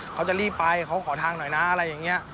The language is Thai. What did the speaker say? เขาจะรีบไปเขาขอทางหน่อยนะอะไรอย่างนี้